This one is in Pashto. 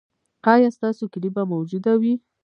ایا ستاسو کیلي به موجوده وي؟